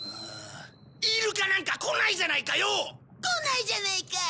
イルカなんか来ないじゃないかよ！来ないじゃないか！